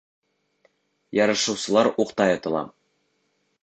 Ярышыусылар уҡтай атыла.